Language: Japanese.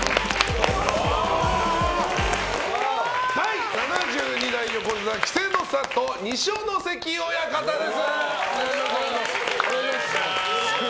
第７２代横綱・稀勢の里二所ノ関親方です。